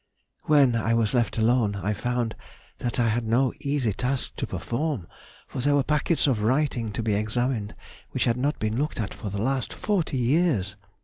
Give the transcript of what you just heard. _] When I was left alone I found that I had no easy task to perform, for there were packets of writings to be examined which had not been looked at for the last forty years.